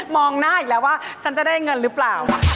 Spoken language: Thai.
มองหน้าอีกแล้วว่าฉันจะได้เงินหรือเปล่า